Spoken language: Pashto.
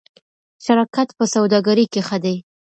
شراکت په سوداګرۍ کې ښه دی.